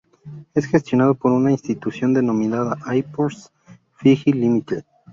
Es gestionado por una institución denominada Airports Fiji Limited.